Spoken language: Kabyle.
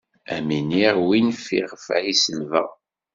Ad m-iniɣ win fiɣef i selbeɣ.